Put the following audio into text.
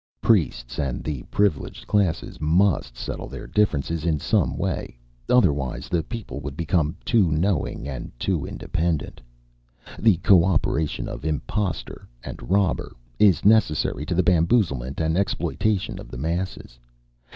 Priests and the privileged classes must settle their differences in some way, otherwise the people would become too knowing, and too independent. The co operation of impostor and robber is necessary to the bamboozlement and exploitation of the masses.